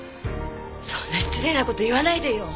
そんな失礼な事言わないでよ。